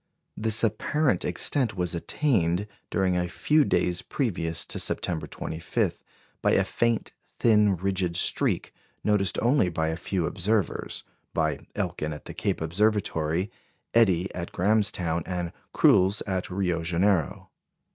This apparent extent was attained, during a few days previous to September 25, by a faint, thin, rigid streak, noticed only by a few observers by Elkin at the Cape Observatory, Eddie at Grahamstown, and Cruls at Rio Janeiro.